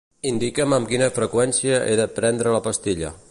Indica'm amb quina freqüència he de prendre la pastilla.